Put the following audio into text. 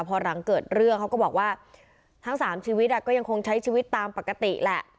พอหลังเกิดเรื่องเขาก็บอกว่าทั้งสามชีวิตก็ยังคงใช้ชีวิตตามปกติแหละ